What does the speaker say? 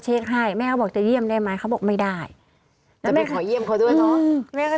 เช็คให้แม่บอกจะเยี่ยมได้ไหมเขาบอกไม่ได้แล้วแม่ขอเยี่ยมเขาด้วยเนอะแม่ก็